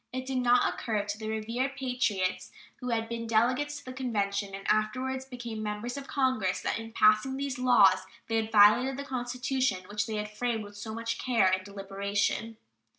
It did not occur to the revered patriots who had been delegates to the Convention, and afterwards became members of Congress, that in passing these laws they had violated the Constitution which they had framed with so much care and deliberation.